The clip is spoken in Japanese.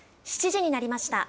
７時になりました。